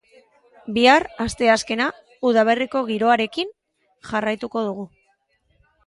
Bihar, asteazkena, udaberriko giroarekin jarraituko dugu.